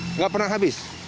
tidak pernah habis